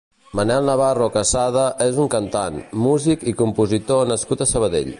Manel Navarro Quesada és un cantant, music i compositor nascut a Sabadell.